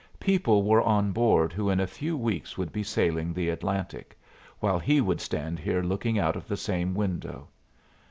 People were on board who in a few weeks would be sailing the Atlantic, while he would stand here looking out of the same window.